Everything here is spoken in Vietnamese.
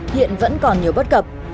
hiện vẫn còn nhiều bất cập